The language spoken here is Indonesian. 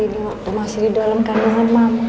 ini waktu masih di dalam kandangan mama